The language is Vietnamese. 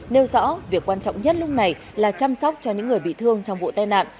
nêu rõ việc quan trọng nhất lúc này là chăm sóc cho những người bị thương trong vụ tai nạn